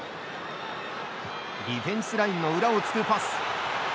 ディフェンスラインの裏をつくパス。